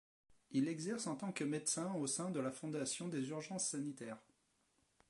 Il exerce en tant que médecin au sein de la fondation des urgences sanitaires.